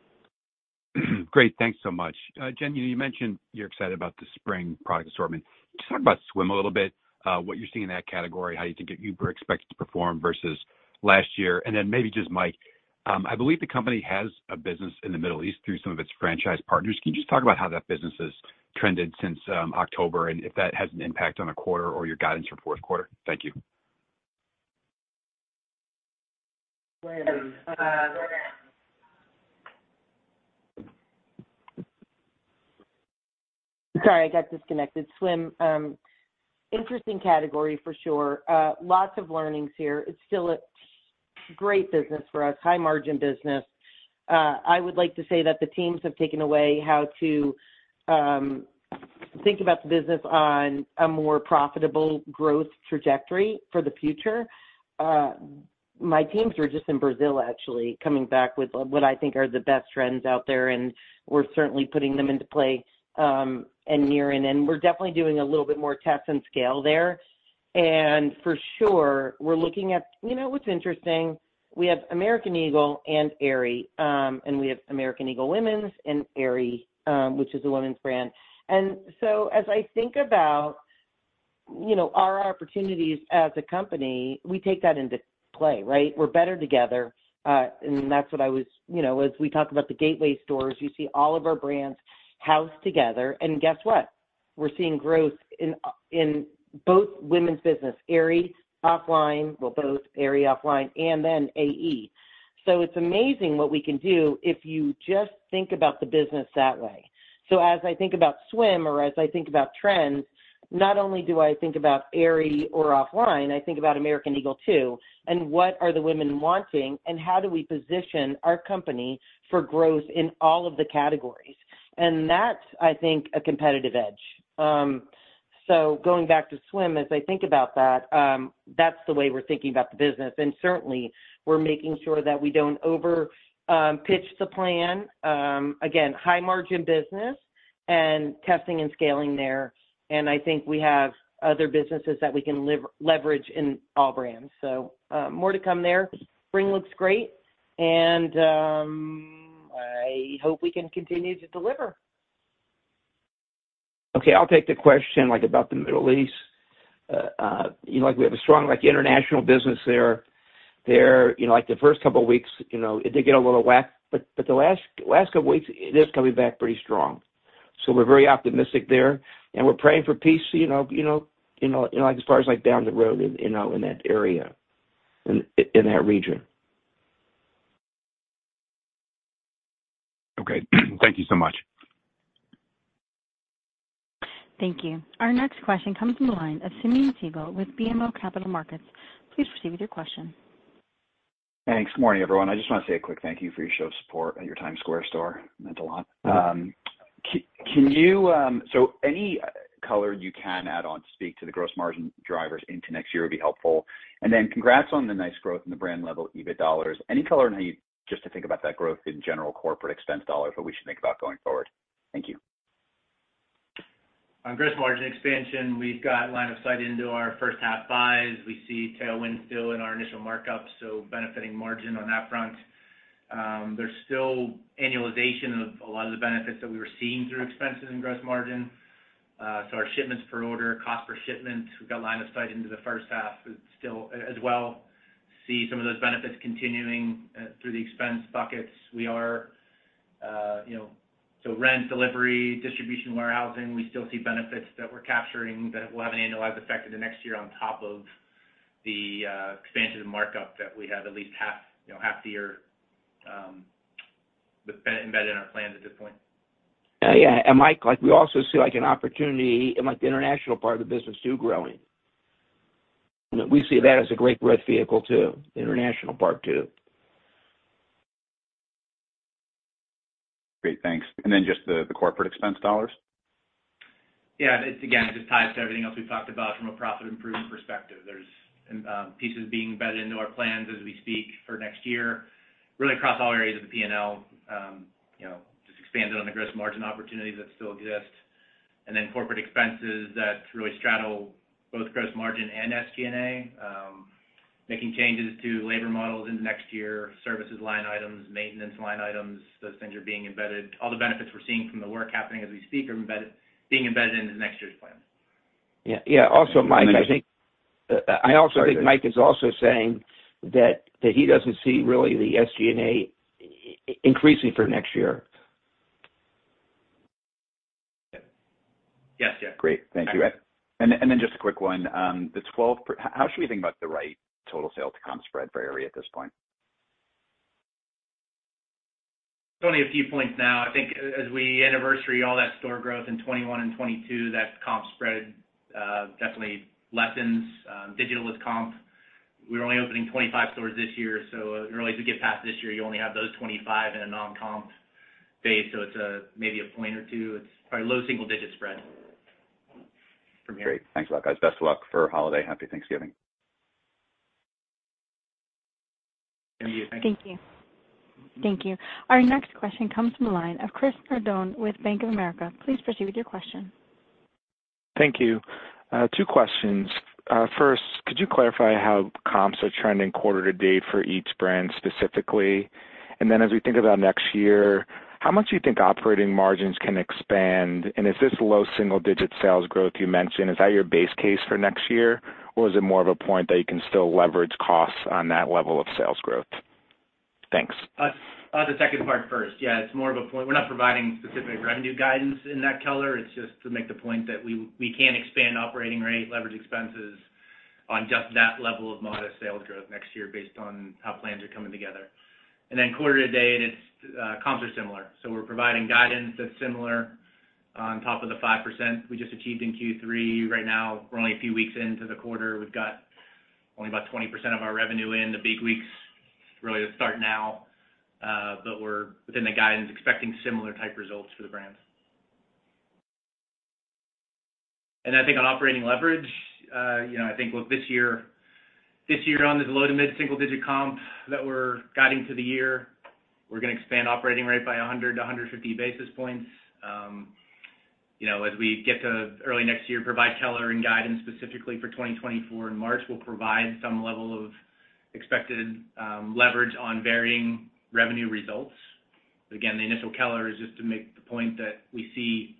Great, thanks so much. Jen, you mentioned you're excited about the spring product assortment. Just talk about swim a little bit, what you're seeing in that category, how you think it's expected to perform versus last year. And then maybe just Mike, I believe the company has a business in the Middle East through some of its franchise partners. Can you just talk about how that business has trended since October, and if that has an impact on the quarter or your guidance for fourth quarter? Thank you. Sorry, I got disconnected. Swim, interesting category for sure. Lots of learnings here. It's still a great business for us, high margin business. I would like to say that the teams have taken away how to think about the business on a more profitable growth trajectory for the future. My teams were just in Brazil, actually, coming back with what I think are the best trends out there, and we're certainly putting them into play, and nearing in. We're definitely doing a little bit more test and scale there. For sure, we're looking at... You know what's interesting, we have American Eagle and Aerie, and we have American Eagle Women's and Aerie, which is a women's brand. So as I think about, you know, our opportunities as a company, we take that into play, right? We're better together, and that's what I was. You know, as we talk about The Gateway stores, you see all of our brands housed together. And guess what? We're seeing growth in both women's business, Aerie, OFFLINE, well, both Aerie, OFFLINE, and then AE. So it's amazing what we can do if you just think about the business that way. So as I think about swim or as I think about trends, not only do I think about Aerie or OFFLINE, I think about American Eagle, too, and what are the women wanting and how do we position our company for growth in all of the categories? And that's, I think, a competitive edge. So going back to swim, as I think about that, that's the way we're thinking about the business. And certainly, we're making sure that we don't over pitch the plan. Again, high-margin business and testing and scaling there. I think we have other businesses that we can leverage in all brands. So, more to come there. Spring looks great, and I hope we can continue to deliver. ... Okay, I'll take the question, like, about the Middle East. You know, like, we have a strong, like, international business there. There, you know, like, the first couple of weeks, you know, it did get a little wack, but the last couple of weeks, it is coming back pretty strong. So we're very optimistic there, and we're praying for peace, you know, like, as far as, like, down the road, you know, in that area, in that region. Okay. Thank you so much. Thank you. Our next question comes from the line of Simeon Siegel with BMO Capital Markets. Please proceed with your question. Thanks. Morning, everyone. I just want to say a quick thank you for your show of support at your Times Square store. Meant a lot. Can you... So any color you can add on to speak to the gross margin drivers into next year would be helpful. And then congrats on the nice growth in the brand level, EBIT dollars. Any color on how you just to think about that growth in general corporate expense dollars, what we should think about going forward? Thank you. On gross margin expansion, we've got line of sight into our first half buys. We see tailwind still in our initial markups, so benefiting margin on that front. There's still annualization of a lot of the benefits that we were seeing through expenses and gross margin. So our shipments per order, cost per shipment, we've got line of sight into the first half, but still as well see some of those benefits continuing through the expense buckets. We are, you know, so rent, delivery, distribution, warehousing, we still see benefits that we're capturing that will have an annualized effect into next year on top of the expansion of markup that we have at least half, you know, half the year, with embedded in our plans at this point. Yeah, and Mike, like, we also see, like, an opportunity in, like, the international part of the business too, growing. We see that as a great growth vehicle, too. The international part, too. Great, thanks. And then just the corporate expense dollars? Yeah, it's again, just ties to everything else we've talked about from a profit improvement perspective. There's pieces being embedded into our plans as we speak for next year, really across all areas of the P&L. You know, just expanded on the gross margin opportunities that still exist, and then corporate expenses that really straddle both gross margin and SG&A. Making changes to labor models into next year, services line items, maintenance line items, those things are being embedded. All the benefits we're seeing from the work happening as we speak are embedded, being embedded into next year's plan. Yeah, yeah. Also, Mike, I think- Sorry. I also think Mike is also saying that he doesn't see really the SG&A increasing for next year. Yes, yeah. Great, thank you. And then just a quick one. How should we think about the right total sales to comp spread for Aerie at this point? It's only a few points now. I think as we anniversary all that store growth in 2021 and 2022, that comp spread definitely lessens. Digital with comp, we're only opening 25 stores this year, so really, as we get past this year, you only have those 25 in a non-comp base, so it's maybe a point or two. It's probably low single digit spread from here. Great. Thanks a lot, guys. Best of luck for holiday. Happy Thanksgiving. Thank you. Thank you. Thank you. Our next question comes from the line of Chris Nardone with Bank of America. Please proceed with your question. Thank you. Two questions. First, could you clarify how comps are trending quarter to date for each brand specifically? And then as we think about next year, how much do you think operating margins can expand? And is this low single digit sales growth you mentioned, is that your base case for next year, or is it more of a point that you can still leverage costs on that level of sales growth? Thanks. The second part first. Yeah, it's more of a point. We're not providing specific revenue guidance in that color. It's just to make the point that we, we can expand operating rate, leverage expenses on just that level of modest sales growth next year based on how plans are coming together. And then quarter to date, it's comps are similar. So we're providing guidance that's similar on top of the 5% we just achieved in Q3. Right now, we're only a few weeks into the quarter. We've got only about 20% of our revenue in. The big weeks really start now, but we're within the guidance, expecting similar type results for the brands. I think on operating leverage, you know, I think with this year, this year on this low to mid-single digit comp that we're guiding to the year, we're gonna expand operating rate by 100-150 basis points. You know, as we get to early next year, provide color and guidance specifically for 2024 in March, we'll provide some level of expected leverage on varying revenue results. Again, the initial color is just to make the point that we see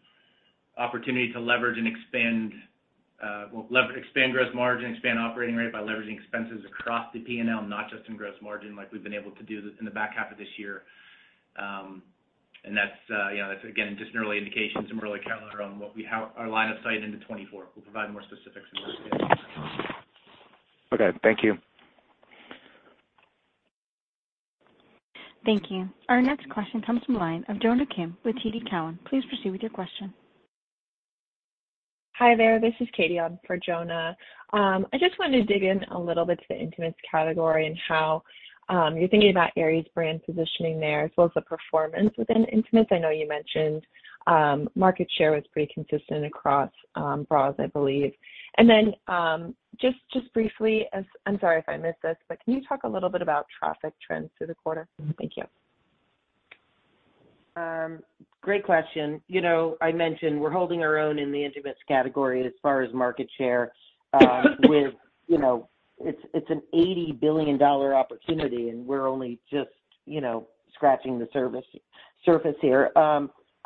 opportunity to leverage and expand, well, expand gross margin, expand operating rate by leveraging expenses across the P&L, not just in gross margin, like we've been able to do this in the back half of this year. And that's, you know, that's again just an early indication, some early color on what we have, our line of sight into 2024. We'll provide more specifics in March. Okay, thank you. Thank you. Our next question comes from the line of Jonna Kim with TD Cowen. Please proceed with your question. Hi there, this is Katie on for Jonna. I just wanted to dig in a little bit to the intimates category and how you're thinking about Aerie's brand positioning there, as well as the performance within intimates. I know you mentioned market share was pretty consistent across bras, I believe. And then just briefly, I'm sorry if I missed this, but can you talk a little bit about traffic trends through the quarter? Thank you. Great question. You know, I mentioned we're holding our own in the intimates category as far as market share, with, you know, it's, it's an $80 billion opportunity, and we're only just, you know, scratching the surface here.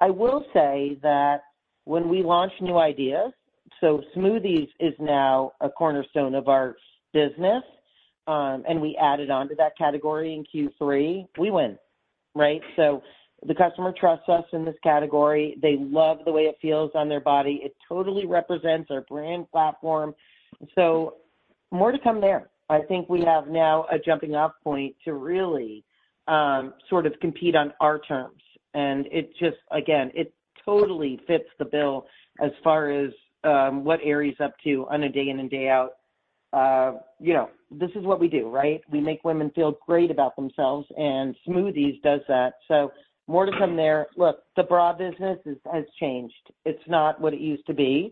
I will say that when we launch new ideas-... so Smoothez is now a cornerstone of our business, and we added on to that category in Q3. We win, right? So the customer trusts us in this category. They love the way it feels on their body. It totally represents our brand platform, so more to come there. I think we have now a jumping off point to really sort of compete on our terms, and it just, again, it totally fits the bill as far as what Aerie's up to on a day in and day out. You know, this is what we do, right? We make women feel great about themselves, and Smoothez does that. So more to come there. Look, the bra business has changed. It's not what it used to be.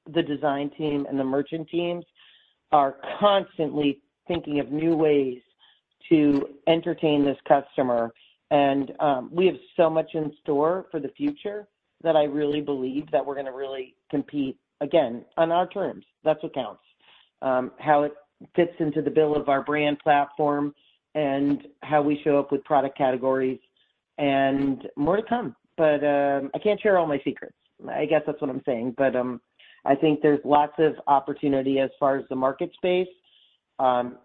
The one thing I can promise you is the design team and the merchant teams are constantly thinking of new ways to entertain this customer. We have so much in store for the future that I really believe that we're gonna really compete, again, on our terms. That's what counts. How it fits into the bill of our brand platform and how we show up with product categories and more to come. I can't share all my secrets. I guess that's what I'm saying. I think there's lots of opportunity as far as the market space.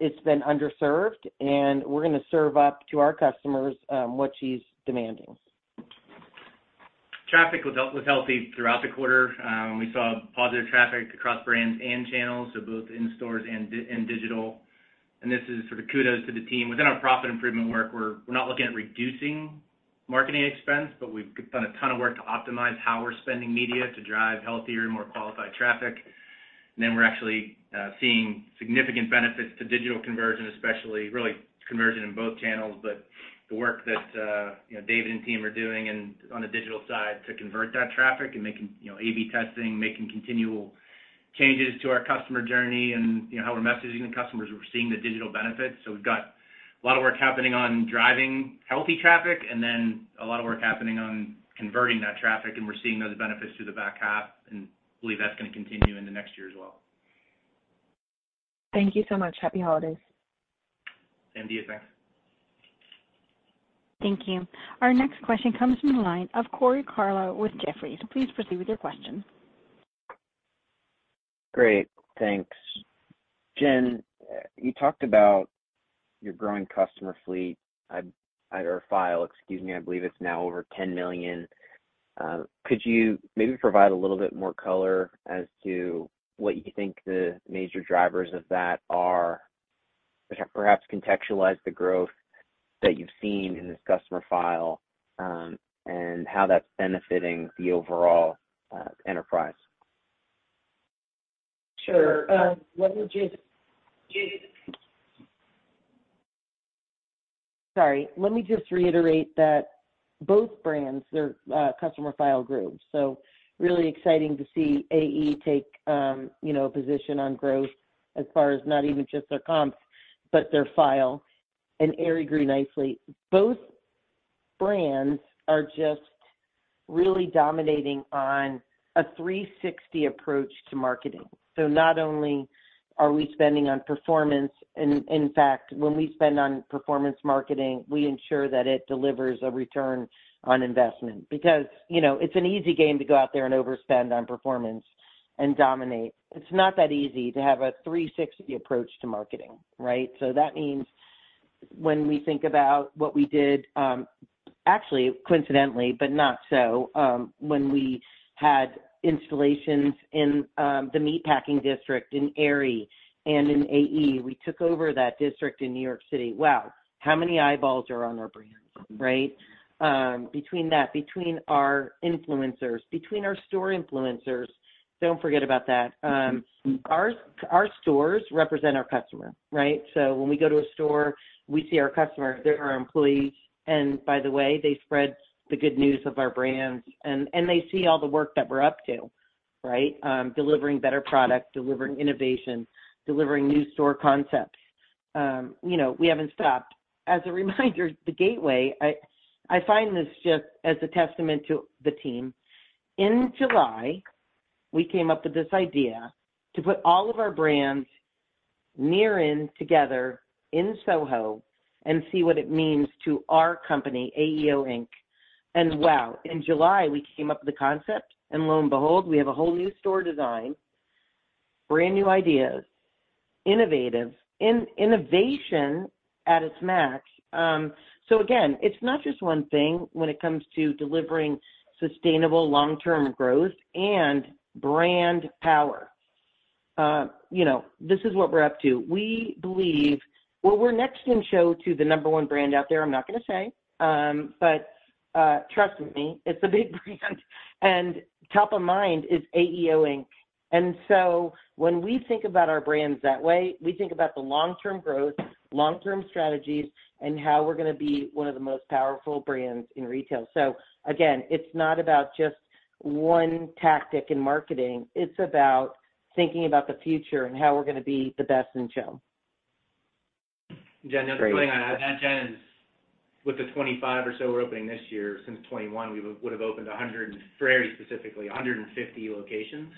It's been underserved, and we're gonna serve up to our customers what she's demanding. Traffic was healthy throughout the quarter. We saw positive traffic across brands and channels, so both in stores and digital. And this is sort of kudos to the team. Within our profit improvement work, we're not looking at reducing marketing expense, but we've done a ton of work to optimize how we're spending media to drive healthier and more qualified traffic. And then we're actually seeing significant benefits to digital conversion, especially really conversion in both channels, but the work that you know, David and team are doing on the digital side to convert that traffic and making you know, A/B testing, making continual changes to our customer journey and you know, how we're messaging the customers, we're seeing the digital benefits. We've got a lot of work happening on driving healthy traffic and then a lot of work happening on converting that traffic, and we're seeing those benefits through the back half and believe that's gonna continue in the next year as well. Thank you so much. Happy holidays. Same to you. Thanks. Thank you. Our next question comes from the line of Corey Tarlow with Jefferies. Please proceed with your question. Great. Thanks. Jen, you talked about your growing customer fleet, or file, excuse me, I believe it's now over 10 million. Could you maybe provide a little bit more color as to what you think the major drivers of that are? Perhaps contextualize the growth that you've seen in this customer file, and how that's benefiting the overall enterprise? Sure. Sorry, let me just reiterate that both brands, their customer file grew. So really exciting to see AE take, you know, a position on growth as far as not even just their comps, but their file, and Aerie grew nicely. Both brands are just really dominating on a 360 approach to marketing. So not only are we spending on performance, and in fact, when we spend on performance marketing, we ensure that it delivers a return on investment. Because, you know, it's an easy game to go out there and overspend on performance and dominate. It's not that easy to have a 360 approach to marketing, right? So that means when we think about what we did, actually, coincidentally, but not so, when we had installations in the Meatpacking District in Aerie and in AE, we took over that district in New York City. Wow! How many eyeballs are on our brands, right? Between that, between our influencers, between our store influencers, don't forget about that. Our stores represent our customer, right? So when we go to a store, we see our customers, they're our employees, and by the way, they spread the good news of our brands, and they see all the work that we're up to, right? Delivering better products, delivering innovation, delivering new store concepts. You know, we haven't stopped. As a reminder, The Gateway, I find this just as a testament to the team. In July, we came up with this idea to put all of our brands near in together in SoHo and see what it means to our company, AEO Inc. Wow, in July, we came up with the concept, and lo and behold, we have a whole new store design, brand new ideas, innovative, innovation at its max. So again, it's not just one thing when it comes to delivering sustainable long-term growth and brand power. You know, this is what we're up to. We believe... Well, we're next in show to the number one brand out there. I'm not gonna say, but trust me, it's a big brand and top of mind is AEO Inc. When we think about our brands that way, we think about the long-term growth, long-term strategies, and how we're gonna be one of the most powerful brands in retail. Again, it's not about just one tactic in marketing, it's about thinking about the future and how we're gonna be the best in show. Jen, just putting on, Jen, with the 25 or so we're opening this year, since 2021, we would have opened a hundred and—very specifically, 150 locations.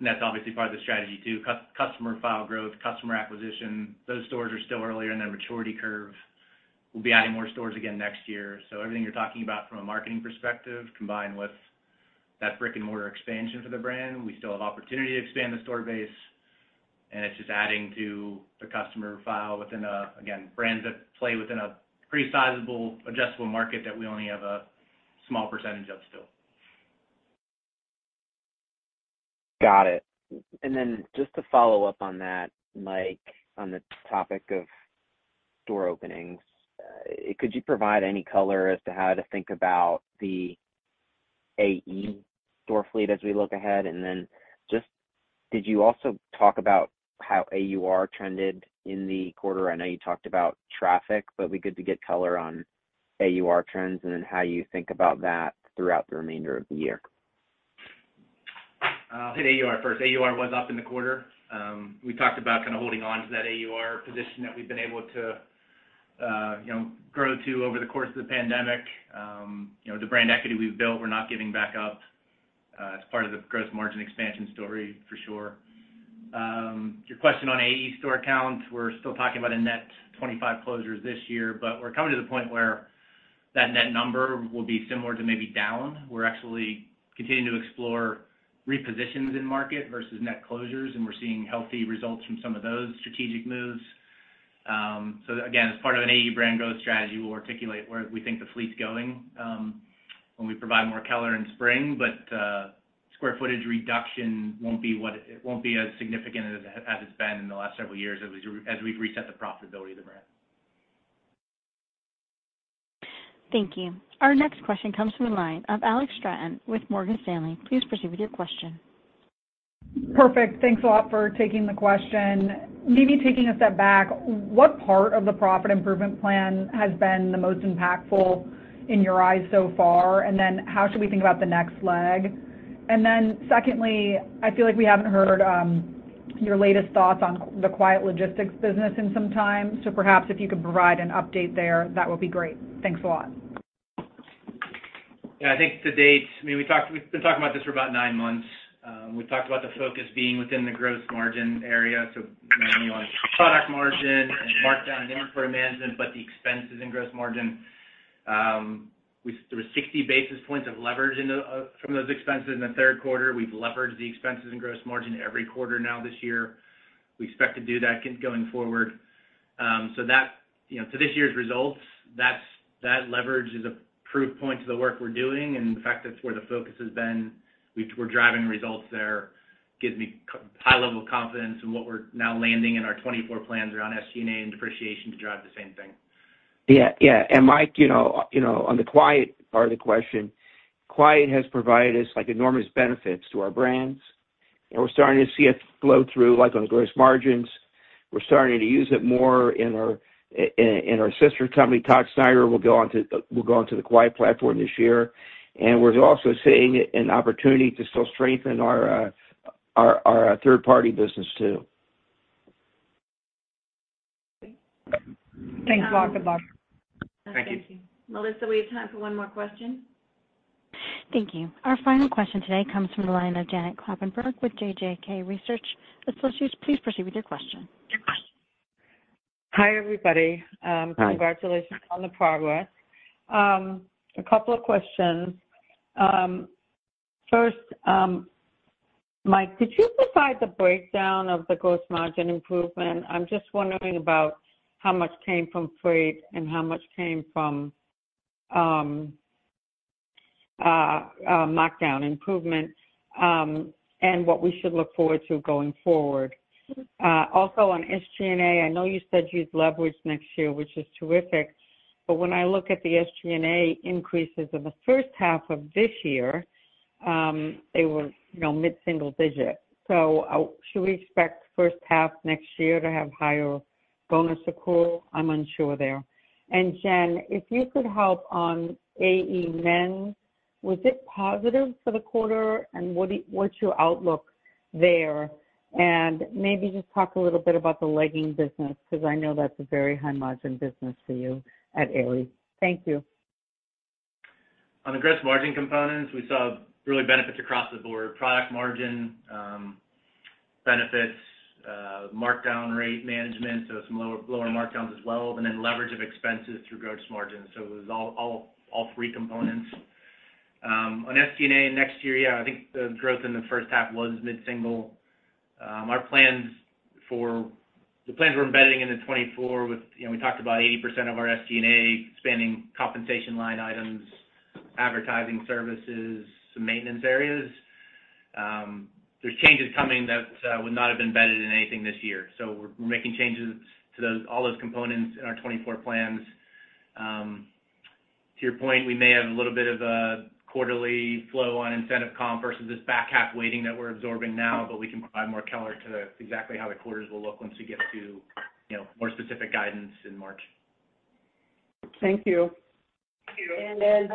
And that's obviously part of the strategy, too. Customer file growth, customer acquisition, those stores are still early in their maturity curve. We'll be adding more stores again next year. So everything you're talking about from a marketing perspective, combined with that brick-and-mortar expansion for the brand, we still have opportunity to expand the store base, and it's just adding to the customer file within a—again, brands that play within a pretty sizable, addressable market that we only have a small percentage of still. Got it. And then just to follow up on that, Mike, on the topic of store openings, could you provide any color as to how to think about the AE store fleet as we look ahead? And then just, could you also talk about how AUR trended in the quarter? I know you talked about traffic, but it'd be good to get color on AUR trends and then how you think about that throughout the remainder of the year. Hit AUR first. AUR was up in the quarter. We talked about kind of holding on to that AUR position that we've been able to, you know, grow to over the course of the pandemic. You know, the brand equity we've built, we're not giving back up. It's part of the gross margin expansion story, for sure. Your question on AE store count, we're still talking about a net 25 closures this year, but we're coming to the point where that net number will be similar to maybe down. We're actually continuing to explore repositions in market versus net closures, and we're seeing healthy results from some of those strategic moves. So again, as part of an AE brand growth strategy, we'll articulate where we think the fleet's going, when we provide more color in spring. Square footage reduction won't be as significant as it's been in the last several years as we've reset the profitability of the brand. Thank you. Our next question comes from the line of Alex Straton with Morgan Stanley. Please proceed with your question. Perfect. Thanks a lot for taking the question. Maybe taking a step back, what part of the profit improvement plan has been the most impactful in your eyes so far? And then how should we think about the next leg? And then secondly, I feel like we haven't heard your latest thoughts on the Quiet Logistics business in some time. So perhaps if you could provide an update there, that would be great. Thanks a lot. Yeah, I think to date, I mean, we've been talking about this for about 9 months. We talked about the focus being within the gross margin area, so mainly on product margin and markdown inventory management, but the expenses in gross margin. There were 60 basis points of leverage in the from those expenses in the third quarter. We've leveraged the expenses in gross margin every quarter now this year. We expect to do that keep going forward. So that, you know, to this year's results, that's that leverage is a proof point to the work we're doing, and the fact that's where the focus has been, we're driving results there, gives me high level of confidence in what we're now landing in our 2024 plans around SG&A and depreciation to drive the same thing. Yeah, yeah. And Mike, you know, you know, on the Quiet part of the question, Quiet has provided us, like, enormous benefits to our brands, and we're starting to see it flow through, like, on gross margins. We're starting to use it more in our sister company, Todd Snyder, will go onto, will go onto the Quiet platform this year. And we're also seeing an opportunity to still strengthen our, our, third-party business, too. Thanks a lot, good luck. Thank you. Thank you. Melissa, we have time for one more question. Thank you. Our final question today comes from the line of Janet Kloppenburg with JJK Research Associates. Please proceed with your question. Hi, everybody. Hi. Congratulations on the progress. A couple of questions. First, Mike, could you provide the breakdown of the gross margin improvement? I'm just wondering about how much came from freight and how much came from markdown improvement, and what we should look forward to going forward. Also on SG&A, I know you said you'd leverage next year, which is terrific, but when I look at the SG&A increases in the first half of this year, they were, you know, mid-single digit. So should we expect first half next year to have higher bonus accrual? I'm unsure there. And Jen, if you could help on AE Men, was it positive for the quarter, and what's your outlook there? Maybe just talk a little bit about the leggings business, because I know that's a very high margin business for you at Aerie. Thank you. On the gross margin components, we saw real benefits across the board. Product margin benefits, markdown rate management, so some lower markdowns as well, and then leverage of expenses through gross margin. So it was all three components. On SG&A next year, yeah, I think the growth in the first half was mid-single. Our plans, the plans we're embedding into 2024 with, you know, we talked about 80% of our SG&A spending compensation line items, advertising services, some maintenance areas. There's changes coming that would not have been embedded in anything this year. So we're making changes to those, all those components in our 2024 plans. To your point, we may have a little bit of a quarterly flow on incentive comp versus this back half weighting that we're absorbing now, but we can provide more color to the exactly how the quarters will look once we get to, you know, more specific guidance in March. Thank you. Then,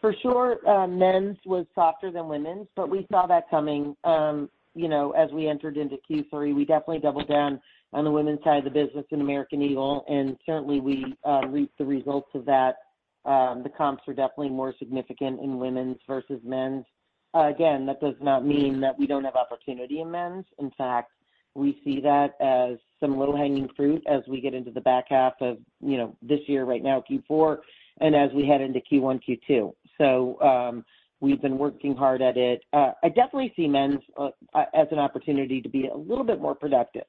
for sure, men's was softer than women's, but we saw that coming. You know, as we entered into Q3, we definitely doubled down on the women's side of the business in American Eagle, and certainly we reaped the results of that. The comps are definitely more significant in women's versus men's. Again, that does not mean that we don't have opportunity in men's. In fact, we see that as some low-hanging fruit as we get into the back half of, you know, this year right now, Q4, and as we head into Q1, Q2. So, we've been working hard at it. I definitely see men's as an opportunity to be a little bit more productive.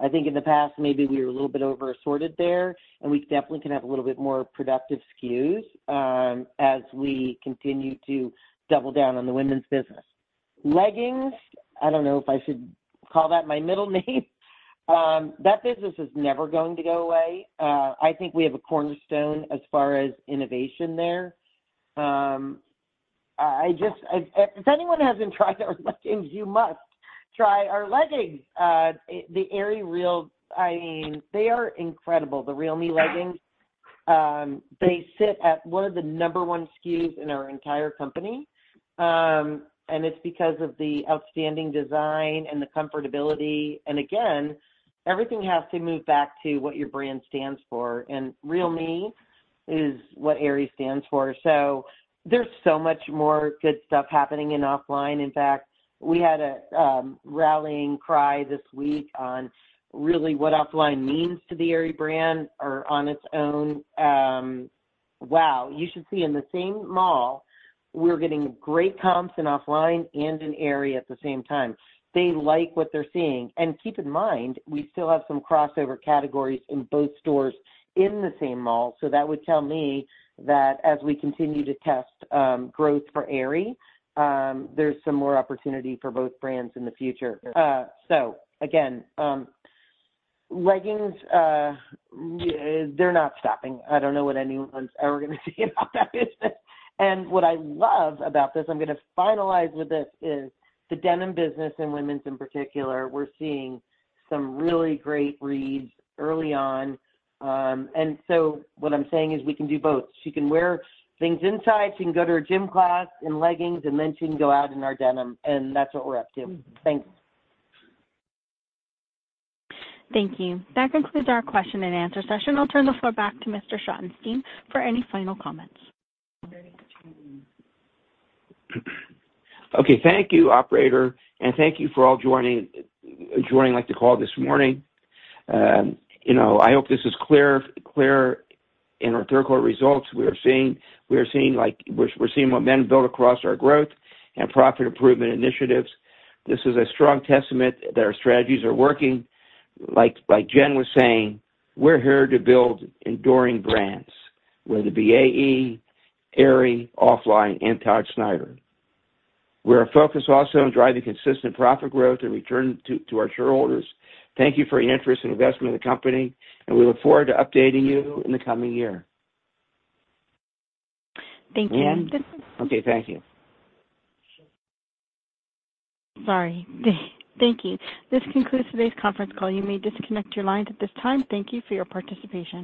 I think in the past, maybe we were a little bit over assorted there, and we definitely can have a little bit more productive SKUs, as we continue to double down on the women's business. Leggings, I don't know if I should call that my middle name. That business is never going to go away. I think we have a cornerstone as far as innovation there. I just... If anyone hasn't tried our leggings, you must try our leggings. The Aerie Real, I mean, they are incredible, the Real Me leggings. They sit at one of the number one SKUs in our entire company, and it's because of the outstanding design and the comfortability. And again, everything has to move back to what your brand stands for, and Real Me is what Aerie stands for. So there's so much more good stuff happening in OFFLINE. In fact, we had a rallying cry this week on really what OFFLINE means to the Aerie brand or on its own. Wow! You should see, in the same mall, we're getting great comps in OFFLINE and in Aerie at the same time. They like what they're seeing. And keep in mind, we still have some crossover categories in both stores in the same mall, so that would tell me that as we continue to test, growth for Aerie, there's some more opportunity for both brands in the future. So again, leggings, they're not stopping. I don't know what anyone's ever gonna see about that business. And what I love about this, I'm gonna finalize with this, is the denim business in women's in particular, we're seeing some really great reads early on. And so what I'm saying is, we can do both. She can wear things inside, she can go to her gym class in leggings, and then she can go out in our denim, and that's what we're up to. Thank you. Thank you. That concludes our question and answer session. I'll turn the floor back to Mr. Schottenstein for any final comments. Okay, thank you, operator, and thank you all for joining the call this morning. You know, I hope this is clear in our third quarter results. We are seeing what we've built across our growth and profit improvement initiatives. This is a strong testament that our strategies are working. Like Jen was saying, we're here to build enduring brands, whether it be AE, Aerie, OFFLINE, and Todd Snyder. We are focused also on driving consistent profit growth and return to our shareholders. Thank you for your interest and investment in the company, and we look forward to updating you in the coming year. Thank you. Okay, thank you. Sorry. Thank you. This concludes today's conference call. You may disconnect your lines at this time. Thank you for your participation.